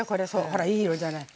ほらいい色じゃない。